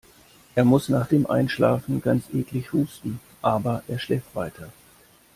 Er muss nach dem Einschlafen ganz eklig husten, aber er schläft weiter.